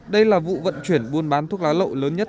đây là vụ vận chuyển buôn bán thuốc lá lậu lớn nhất